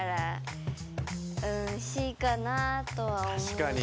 確かに。